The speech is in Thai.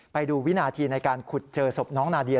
ไปดูวินาทีในการขุดเจอศพน้องนาเดีย